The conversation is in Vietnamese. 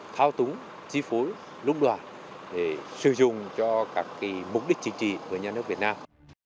thao túng chi phối lúc đoàn để sử dụng cho các mục đích chính trị của nhà nước việt nam